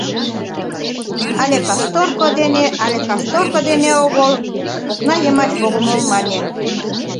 — Але касторко дене, але касторко дене огыл, — окна йымач Богомол мане.